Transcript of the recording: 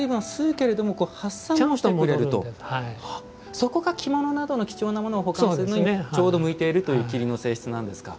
そこが着物などの貴重なものを保管するのにちょうど向いているという桐の性質なんですか。